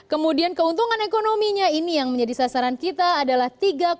kemudian keuntungan ekonominya ini yang menjadi sasaran kita adalah